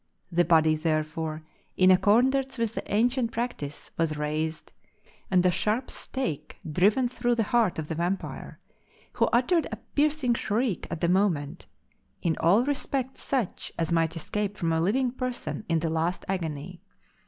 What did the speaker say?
The body, therefore, in accordance with the ancient practice, was raised, and a sharp stake driven through the heart of the vampire, who uttered a piercing shriek at the moment, in all respects such as might escape from a living person in the last agony.